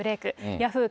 ヤフー！